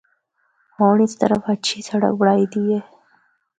ہونڑ اس طرف ہچھی سڑک بنڑائی دی ہے۔